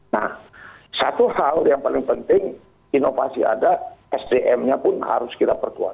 nah satu hal yang paling penting inovasi ada sdm nya pun harus kita perkuat